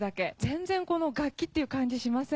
全然楽器っていう感じしませんよね。